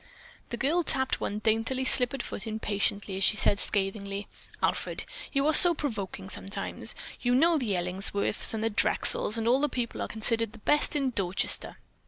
The girl tapped one daintily slippered foot impatiently as she said scathingly: "Alfred, you are so provoking sometimes. You know the Ellingsworths and the Drexels and all those people are considered the best in Dorchester."